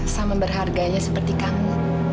sama berharganya seperti kamu